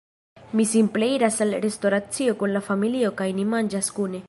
Mi simple iras al restoracio kun la familio kaj ni manĝas kune